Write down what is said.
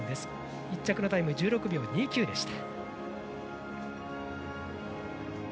１着のタイム１６秒２９でした。